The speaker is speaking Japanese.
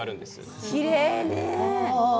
きれいね。